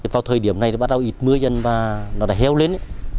vào thời điểm này thì bắt đầu ịt mưa dân và nó đã héo lên